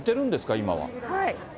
今は。